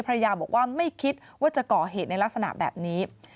ภรรยาบอกว่าไม่คิดว่าจะก่อเหตุในลักษณะแบบนี้